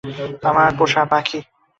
আমার পোষা পাখি।